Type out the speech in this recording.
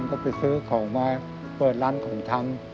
ก็ไปซื้อของมาเปิดร้านของทำ